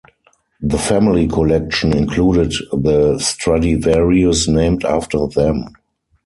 The family collection included the Stradivarius named after them.